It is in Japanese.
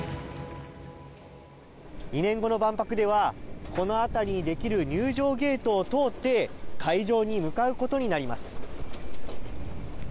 ２年後の万博では、この辺りに出来る入場ゲートを通って会場に向かうことになります。